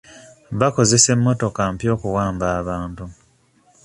Bakozesa emmotoka mpya okuwamba abantu.